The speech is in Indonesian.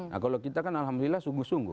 nah kalau kita kan alhamdulillah sungguh sungguh